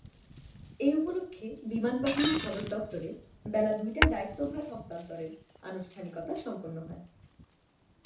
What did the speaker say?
এ উপলক্ষে বিমানবাহিনী সদর দপ্তরে বেলা দুইটায় দায়িত্বভার হস্তান্তরের আনুষ্ঠানিকতা সম্পন্ন হয়।